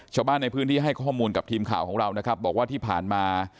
ชาวบ้านในพื้นที่ให้ข้อมูลกับทีมข่าวของเรานะครับบอกว่าที่ผ่านมา